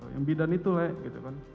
yang bidan itu lek gitu kan